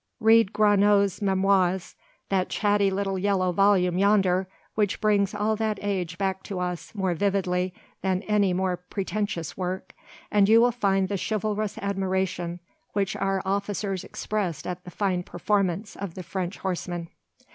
Read Gronow's "Memoirs," that chatty little yellow volume yonder which brings all that age back to us more vividly than any more pretentious work, and you will find the chivalrous admiration which our officers expressed at the fine performance of the French horsemen.